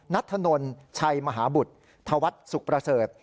นัทธนลชัยมหาบุตรธวัฒน์สุขประเสริฐ